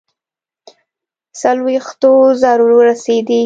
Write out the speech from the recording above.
څلوېښتو زرو ورسېدی.